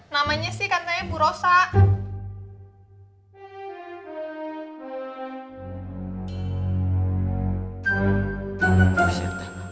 namanya sih katanya bu rosa